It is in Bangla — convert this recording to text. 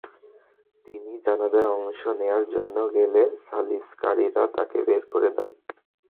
তিনি জানাজায় অংশ নেওয়ার জন্য গেলে সালিসকারীরা তাঁকে বের করে দেন।